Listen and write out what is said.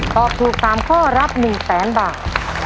ตอบถูกตามข้อรับ๑๐๐๐๐๐บาท